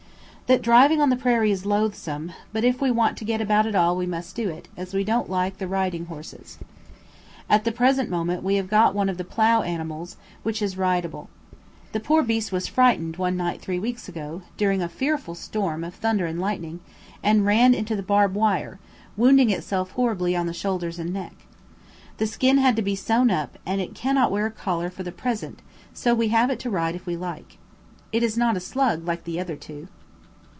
That driving on the prairie is loathsome, but if we want to get about at all we must do it, as we don't like the riding horses. At the present moment we have got one of the plough animals, which is rideable. The poor beast was frightened one night three weeks ago, during a fearful storm of thunder and lightning, and ran into the barb wire, wounding itself horridly on the shoulders and neck. The skin had to be sewn up, and it cannot wear a collar for the present so we have it to ride if we like. It is not a slug like the other two.